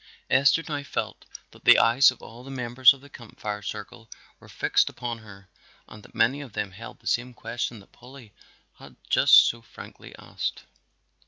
Esther now felt that the eyes of all the members of the Camp Fire circle were fixed upon her and that many of them held the same question that Polly had just so frankly asked.